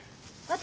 私？